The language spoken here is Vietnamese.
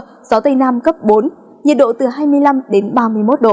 gió tây nam cấp bốn nhiệt độ từ hai mươi năm đến ba mươi một độ